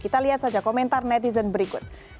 kita lihat saja komentar netizen berikut